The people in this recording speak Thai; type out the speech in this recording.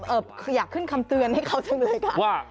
เอ่อเอ่ออยากขึ้นคำเตือนให้เขาซึ่งเลยค่ะว่า